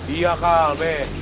iya kal deh